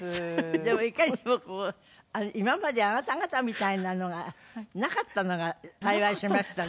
でもいかにも今まであなた方みたいなのがなかったのが幸いしましたね。